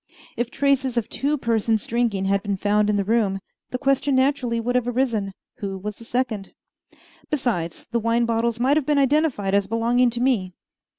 If traces of two persons drinking had been found in the room, the question naturally would have arisen, Who was the second? Besides, the wine bottles might have been identified as belonging to me.